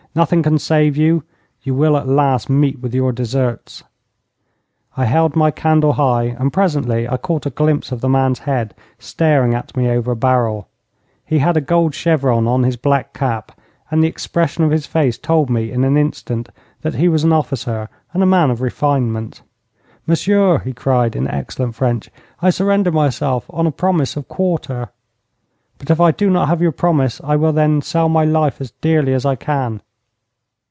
'Nothing can save you. You will at last meet with your deserts.' I held my candle high, and presently I caught a glimpse of the man's head staring at me over a barrel. He had a gold chevron on his black cap, and the expression of his face told me in an instant that he was an officer and a man of refinement. 'Monsieur,' he cried, in excellent French, 'I surrender myself on a promise of quarter. But if I do not have your promise, I will then sell my life as dearly as I can.'